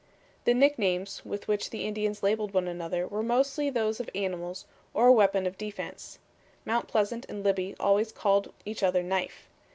The nicknames with which the Indians labelled each other were mostly those of animals or a weapon of defense. Mount Pleasant and Libby always called each other Knife.